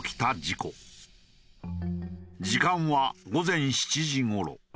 時間は午前７時頃。